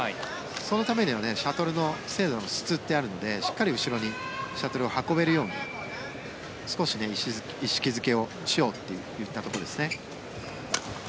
そのためにはシャトルの精度の質ってあるのでしっかり後ろにシャトルを運べるように少し意識付けをしようと言ったところですね。